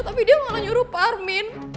tapi dia malah nyuruh parmin